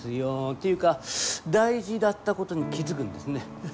ていうか大事だったことに気付くんですね。